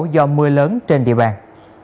do mưa lớn trên địa bàn